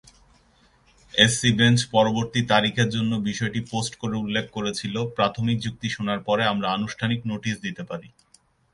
SC bench পরবর্তী তারিখের জন্য বিষয়টি পোস্ট করে উল্লেখ করেছিল "প্রাথমিক যুক্তি শোনার পরে আমরা আনুষ্ঠানিক নোটিশ দিতে পারি।"